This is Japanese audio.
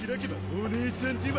お姉ちゃん自慢。